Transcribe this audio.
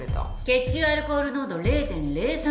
血中アルコール濃度０．０３％。